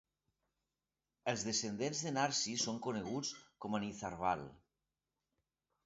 Els descendents de Narsi són coneguts com a Nitharwal.